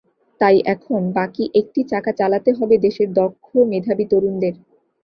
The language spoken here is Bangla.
তাই এখন বাকি একটি চাকা চালাতে হবে দেশের দক্ষ, মেধাবী তরুণদের।